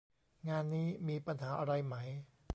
งานนี้มีปัญหาอะไรไหม